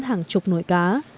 hàng chục nồi cá